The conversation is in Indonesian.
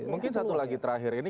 mungkin satu lagi terakhir ini